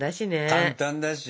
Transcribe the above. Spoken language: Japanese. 簡単だし。